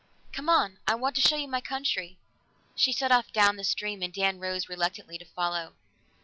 "Come on! I want to show you my country." She set off down the stream, and Dan rose reluctantly to follow.